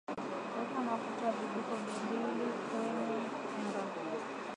weka mafuta vijiko mbili kenye unga